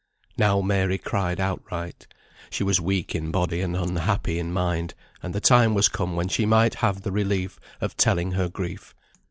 Now Mary cried outright; she was weak in body, and unhappy in mind, and the time was come when she might have the relief of telling her grief.